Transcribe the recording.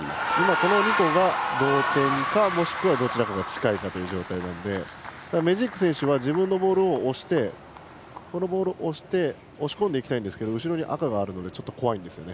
この２個が同点かどちらかが近いという状態なのでメジーク選手は自分のボールを押し込んでいきたいんですけど後ろに赤があるのでちょっと怖いんですね。